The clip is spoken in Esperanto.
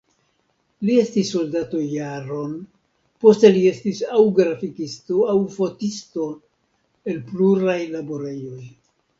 Li estis soldato jaron, poste li estis aŭ grafikisto, aŭ fotisto en pluraj laborejoj.